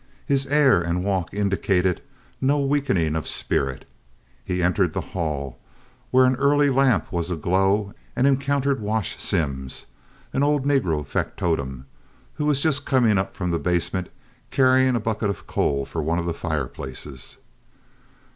His air and walk indicated no weakening of spirit. He entered the hall, where an early lamp was aglow, and encountered "Wash" Sims, an old negro factotum, who was just coming up from the basement, carrying a bucket of coal for one of the fireplaces.